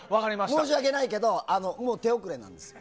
申し訳ないけどもう手遅れなんです。